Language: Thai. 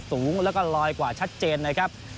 สูงแล้วก็ลอยกว่าชัดเจนนะครับ